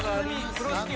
風呂敷。